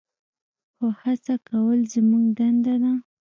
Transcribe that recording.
خو هڅه کول زموږ دنده ده.